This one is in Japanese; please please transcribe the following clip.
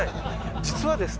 実はですね